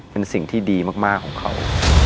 เป็นสิ่งที่ดีมากของเขา